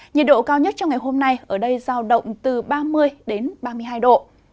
nhiệt độ cao nhất trong ngày hôm nay ở đây giao động từ ba mươi đến ba mươi hai độ